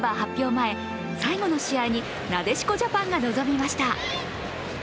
前最後の試合になでしこジャパンが臨みました。